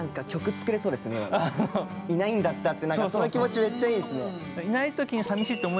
「いないんだった」ってその気持ちめっちゃいいですね。